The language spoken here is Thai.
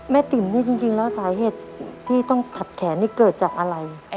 ติ๋มนี่จริงแล้วสาเหตุที่ต้องขัดแขนนี่เกิดจากอะไร